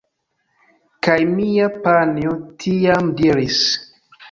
Kaj mia panjo tiam diris: